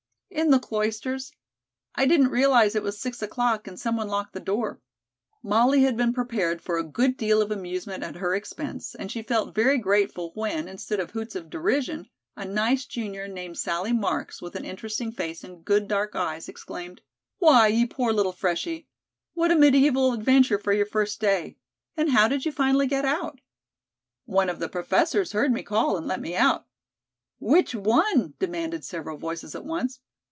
"In the Cloisters. I didn't realize it was six o'clock, and some one locked the door." Molly had been prepared for a good deal of amusement at her expense, and she felt very grateful when, instead of hoots of derision, a nice junior named Sallie Marks, with an interesting face and good dark eyes, exclaimed: "Why, you poor little freshie! What a mediæval adventure for your first day. And how did you finally get out?" "One of the professors heard me call and let me out." "Which one?" demanded several voices at once.